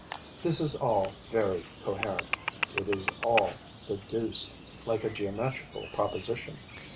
This is all very coherent; it is all deduced like a geometrical proposition.